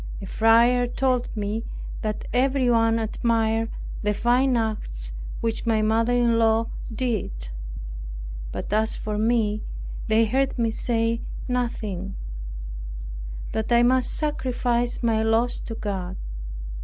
A friar told me, that everyone admired the fine acts which my mother in law did; but as for me, they heard me say nothing; that I must sacrifice my loss to God.